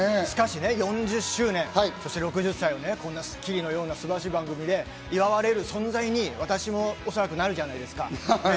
しかし４０周年、６０歳、『スッキリ』のような素晴らしい番組で祝われる存在に私もおそらくなるじゃないですか？